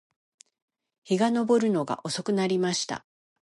日が登るのが遅くなりました